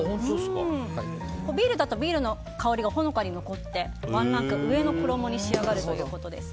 ビールだとビールの香りがほのかに残ってワンランク上の衣に仕上がるということです。